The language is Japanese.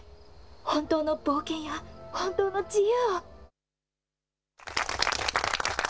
本当の冒険や、本当の自由を。